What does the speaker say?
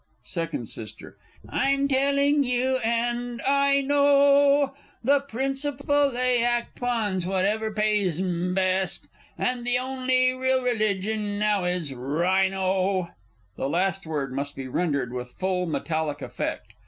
Second S. I'm telling you, and I know, The principle they act upon's whatever pays 'em best. And the only real religion now is Rhino! [_The last word must be rendered with full metallic effect.